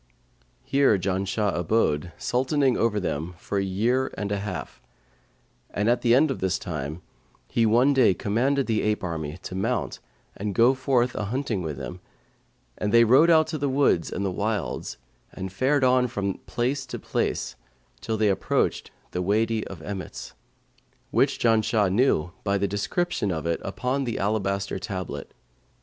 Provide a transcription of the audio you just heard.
Here Janshah abode, Sultaning over them, for a year and a half. And at the end of this time, he one day commanded the ape army to mount and go forth a hunting with him, and they rode out into the woods and wilds, and fared on from place to place, till they approached the Wady of Emmets, which Janshah knew by the description of it upon the alabaster tablet.